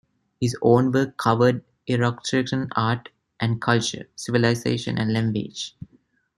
His own work covered Etruscan art and culture, civilization, and language.